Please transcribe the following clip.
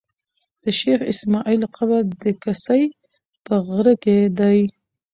شېخ اسماعیل قبر د کسي په غره کښي دﺉ.